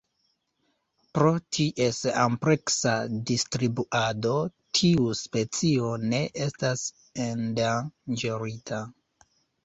Pro ties ampleksa distribuado tiu specio ne estas endanĝerita.